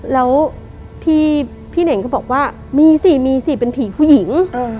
แล้วพี่เน่งก็บอกว่ามีสิมีสิเป็นผีผู้หญิง